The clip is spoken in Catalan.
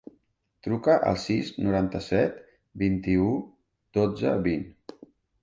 Truca al sis, noranta-set, vint-i-u, dotze, vint.